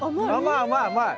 甘い。